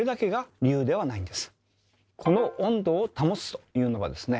この「温度を保つ」というのはですね